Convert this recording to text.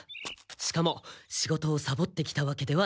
しかも仕事をサボってきたわけではない。